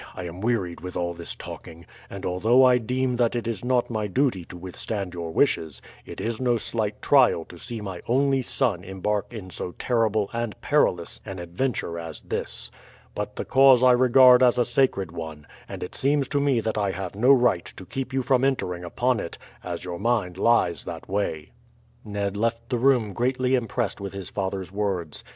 I am wearied with all this talking; and although I deem that it is not my duty to withstand your wishes, it is no slight trial to see my only son embark in so terrible and perilous an adventure as this. But the cause I regard as a sacred one, and it seems to me that I have no right to keep you from entering upon it, as your mind lies that way." Ned left the room greatly impressed with his father's words.